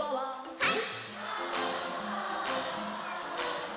はい！